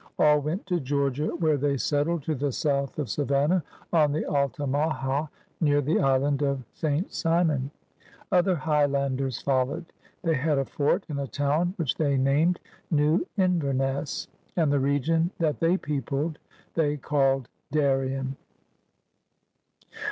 All went to Georgia, where they settled to the south of Sa vannah, on the Altamaha, near the island of St. Simon. Other Highlanders followed. They had a fort and a town which they named New Inverness, and the region that they peopled they called Darien.